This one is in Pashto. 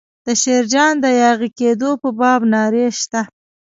د شیرجان د یاغي کېدو په باب نارې شته.